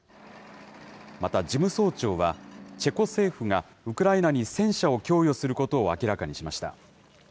また、事務総長はチェコ政府がウクライナに戦車を供与することを明らかにしました。